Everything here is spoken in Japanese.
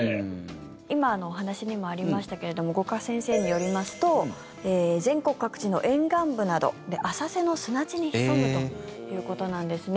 今お話にもありましたけど五箇先生によりますと全国各地の沿岸部など浅瀬の砂地に潜むということなんですね。